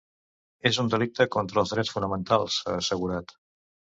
És un delicte contra els drets fonamentals, ha assegurat.